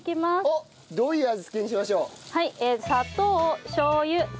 おっ！どういう味付けにしましょう？